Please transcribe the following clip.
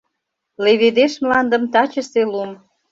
Леведеш мландым тачысе лум –